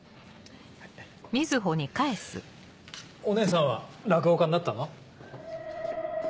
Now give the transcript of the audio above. お姉さんは落語家になったの？